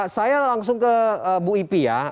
saya langsung ke bu ipi ya